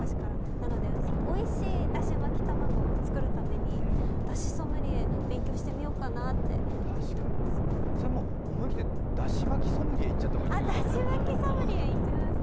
なので、おいしいだし巻き卵を作るためにだしソムリエ勉強してみようかなと思いますねそれ、思い切って、だし巻きソムリエいっちゃってみたら？